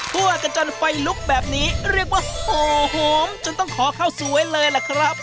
กันจนไฟลุกแบบนี้เรียกว่าโหมจนต้องขอข้าวสวยเลยล่ะครับ